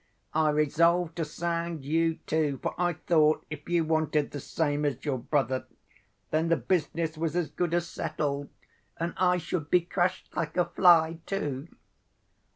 I resolved to sound you, too, for I thought if you wanted the same as your brother, then the business was as good as settled and I should be crushed like a fly, too."